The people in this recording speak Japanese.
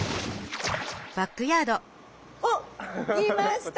おっいました。